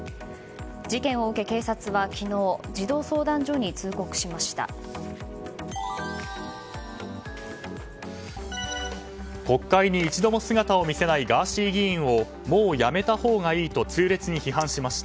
事件を受け、警察は昨日児童相談所に通告しました。